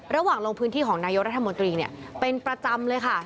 ระหว่างลงพื้นที่ของนายธรรมนตรีเนี่ยเป็นประจำเลยค่ะ